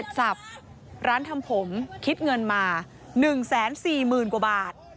ร้านทำผมเสร็จสับร้านทำผมคิดเงินมา๑แสน๔๐กว่าบาท